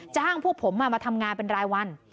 จ้างพวกผมมาทำงานเป็นรายวัน